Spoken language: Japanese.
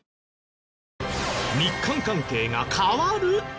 日韓関係が変わる？